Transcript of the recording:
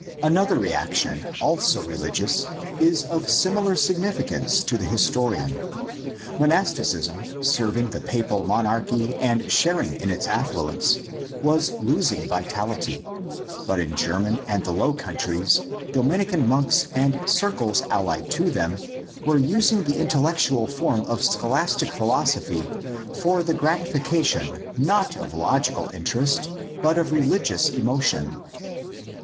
— Another reaction, also religious, is of similar significance to the historian. Monasticism, serving the papal monarchy and sharing in its affluence, was losing vitality, but in Germany and the Low Countries Dominican monks and circles allied to them were using the intellectual form of scholastic philosophy for the gratification not of logical inter est but of' religious emotion.